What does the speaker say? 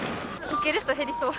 受ける人減りそう。